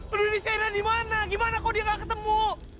udah di sena dimana gimana kok dia gak ketemu